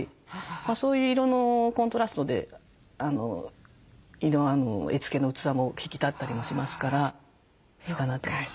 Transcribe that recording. そういう色のコントラストで絵付けの器も引き立ったりもしますからいいかなと思います。